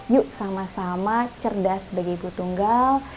yuk sama sama cerdas sebagai ibu tunggal